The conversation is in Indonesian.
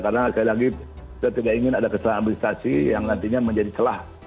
karena sekali lagi kita tidak ingin ada kesalahan administrasi yang nantinya menjadi celah